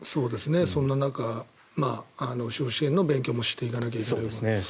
そんな中司法試験の勉強もしていかなければいけない。